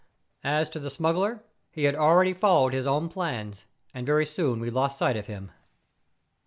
As to the smuggler, he had already followed his own plans; and very soon we lost sight of him.